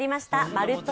「まるっと！